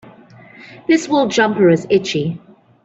This wool jumper is itchy.